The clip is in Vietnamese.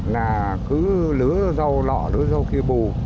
là cứ lứa rau lọ lứa rau kia bù